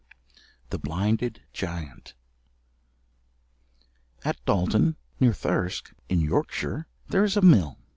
The Blinded Giant At Dalton, near Thirsk, in Yorkshire, there is a mill.